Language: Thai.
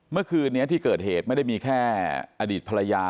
เมื่อคืนนี้ที่เกิดเหตุไม่ได้มีแค่อดีตภรรยา